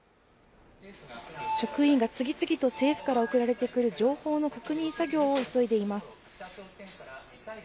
職員が次々と政府から送られてくる情報の確認作業を急いでいます。